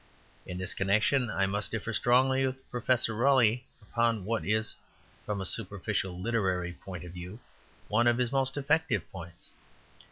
In this connection I must differ strongly with Professor Raleigh upon what is, from a superficial literary point of view, one of his most effective points.